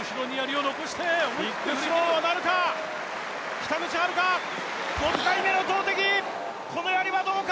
北口榛花６回目の投てき、このやりはどうか？